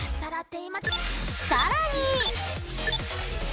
さらに。